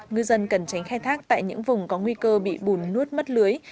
ngư dân cần tránh khai thác tại những vùng có nguy cơ bị bùn nuốt mất lưới